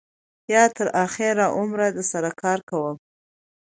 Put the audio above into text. یا تر آخره عمره در سره کار کوم.